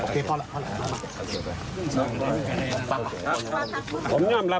พ่อขอบคุณครับ